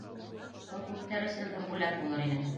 Был күптәр өсөн ҙур бүләк булыр ине.